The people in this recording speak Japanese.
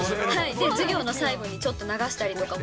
で、授業の最後にちょっと流したりとかも。